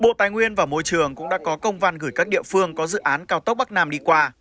bộ tài nguyên và môi trường cũng đã có công văn gửi các địa phương có dự án cao tốc bắc nam đi qua